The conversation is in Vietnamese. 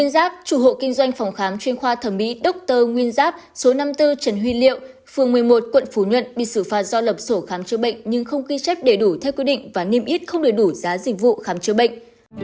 bà phạm trần bảo ngọc chủ hộ kinh doanh số một mươi tám nơi trang long phường một mươi một quận bình thạnh